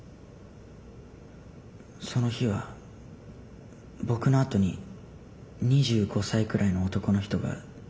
その日は僕のあとに２５歳くらいの男の人が仕事をしたんです。